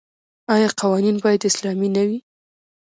آیا قوانین باید اسلامي نه وي؟